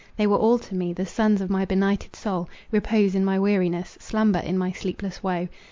They were all to me—the suns of my benighted soul—repose in my weariness—slumber in my sleepless woe.